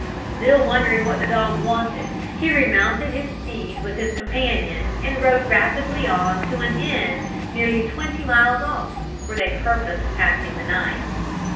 Still wondering what the dog wanted, he remounted his steed, and with his companion rode rapidly on to an inn nearly twenty miles off, where they purposed passing the night.